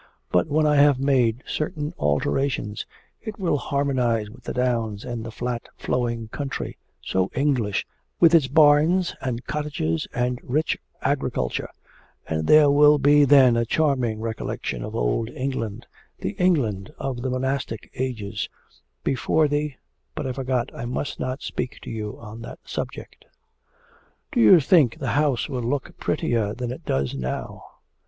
But when I have made certain alterations it will harmonise with the downs and the flat flowing country, so English, with its barns and cottages and rich agriculture, and there will be then a charming recollection of old England, the England of the monastic ages, before the but I forgot I must not speak to you on that subject.' 'Do you think the house will look prettier than it does now?